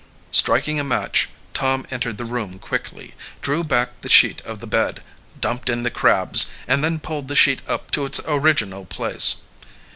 Striking a match, Tom entered the room quickly, drew back the sheet of the bed, dumped in the crabs, and then pulled the sheet up to its original place.